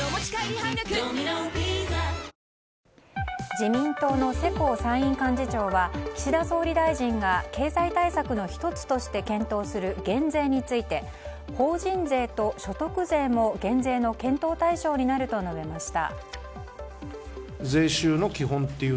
自民党の世耕参院幹事長は岸田総理大臣が経済対策の１つとして検討する減税について法人税と所得税も減税の検討対象になると述べました。